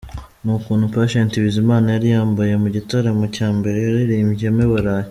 Ni uku Patient Bizimana yari yambaye mu gitaramo cya mbere yaririmbyemo i burayi.